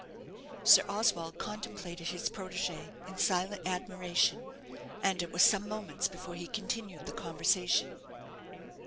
Sir Oswald contemplated his protégée in silent admiration, and it was some moments before he continued the conversation.